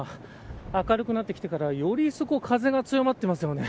明るくなってきてからより一層風が強まっていますよね。